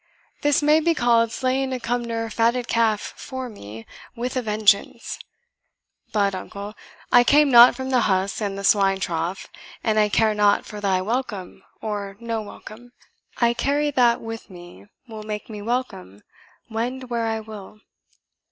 "This may be called slaying a Cumnor fatted calf for me with a vengeance. But, uncle, I come not from the husks and the swine trough, and I care not for thy welcome or no welcome; I carry that with me will make me welcome, wend where I will."